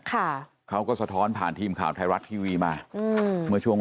ค่ะเขาก็สะท้อนผ่านทีมข่าวไทยรัฐทีวีมาอืมเมื่อช่วง